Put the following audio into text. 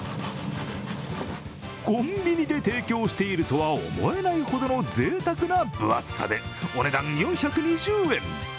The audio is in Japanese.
コンビニで提供しているとは思えないほどのぜいたくな分厚さで、お値段４２０円。